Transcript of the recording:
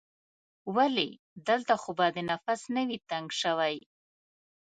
ولې؟ دلته خو به دې نفس نه وي تنګ شوی؟